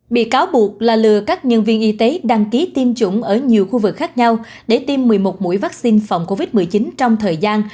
bị cáo buộc là lừa các nhân viên y tế đăng ký tiêm chủng ở nhiều khu vực khác nhau để tiêm một mươi một mũi vaccine phòng covid một mươi chín trong thời gian